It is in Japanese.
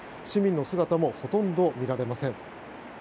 市民の姿もほとんど見られません。